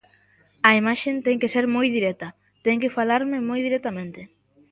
A imaxe ten que ser moi directa, ten que falarme moi directamente.